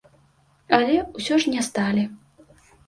Але ўсё ж не сталі.